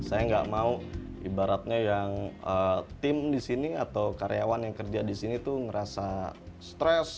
saya nggak mau ibaratnya yang tim di sini atau karyawan yang kerja di sini tuh ngerasa stres